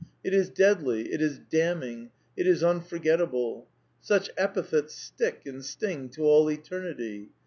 It is deadly ; it is damning ; it is unforget table. Such epithets stick and sting to all eternity.